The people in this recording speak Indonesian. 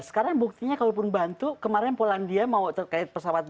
sekarang buktinya kalaupun bantu kemarin polandia mau terkait pesawat